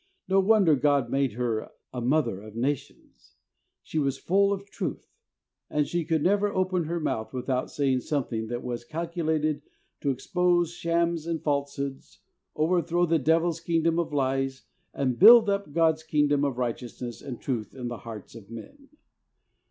No wonder God made her a "mother of nations." She was full of truth, and she could never open her mouth without saying something that was calcu lated to expose shams and falsehoods, over throw the devil's kingdom of lies and build up God's kingdom of righteousness and truth in the hearts of men.